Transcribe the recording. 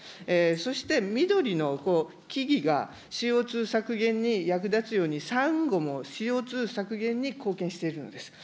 そして緑の木々がＣＯ２削減に役立つように、サンゴもＣＯ２削減に貢献しているのです。